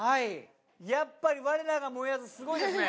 やっぱり我らがもえあずすごいですね。